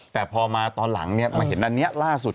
แต่พอมาตอนหลังมาเห็นอันนี้ล่าสุด